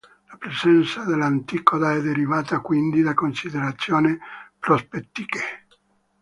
La presenza dell'anticoda è derivata quindi da considerazioni prospettiche.